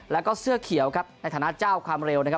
แล้วก็เสื้อเขียวครับในฐานะเจ้าความเร็วนะครับ